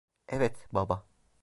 Evet, baba.